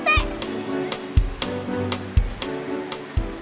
ibu nasi duduk disini ya